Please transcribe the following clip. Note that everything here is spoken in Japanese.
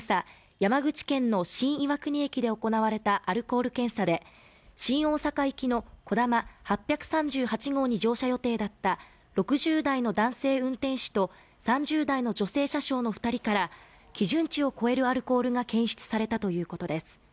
山口県の新岩国駅で行われたアルコール検査で新大阪行きのこだま８３８号に乗車予定だった６０代の男性運転士と３０代の女性車掌の二人から基準値を超えるアルコールが検出されたということです